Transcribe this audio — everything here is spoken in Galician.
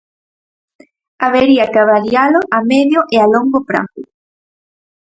Habería que avalialo a medio e a longo prazo.